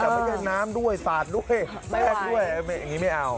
แต่ไม่ใช่น้ำด้วยสาดด้วยแลกด้วยอย่างนี้ไม่เอา